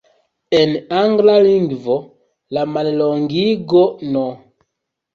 En angla lingvo, la mallongigo "No.